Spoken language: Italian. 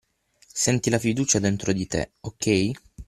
Senti la fiducia dentro di te, ok?